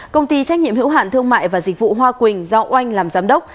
công ty trách nhiệm hữu hạn thương mại và dịch vụ hoa quỳnh do oanh làm giám đốc